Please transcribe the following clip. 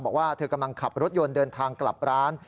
บอกว่าเธอกำลังขับรถยนต์เดินทางกลับร้าน